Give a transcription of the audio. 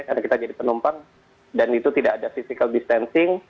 karena kita jadi penumpang dan itu tidak ada physical distancing